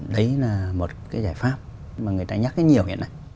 đấy là một cái giải pháp mà người ta nhắc rất nhiều hiện nay